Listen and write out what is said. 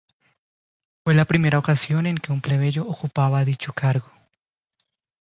Fue la primera ocasión en que un plebeyo ocupaba dicho cargo.